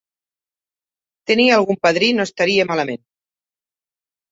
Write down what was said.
Tenir algun padrí no estaria malament.